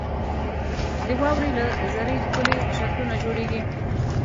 • د واورې له ذرې ښکلي شکلونه جوړېږي.